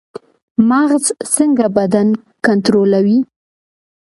مغز څنګه بدن کنټرولوي؟